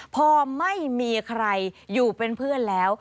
พอไม่มีใครอยู่เป็นเพื่อนแล้ว